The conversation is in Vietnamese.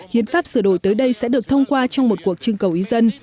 hiến pháp sửa đổi tới đây sẽ được thông qua trong một cuộc trưng cầu ý dân